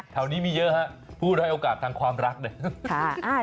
แถวนี้มีเยอะฮะผู้ให้โอกาสทางความรักเนี่ย